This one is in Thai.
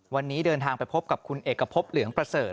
วันนี้เดินทางไปพบกับคุณเอกพบเหลืองประเสริฐ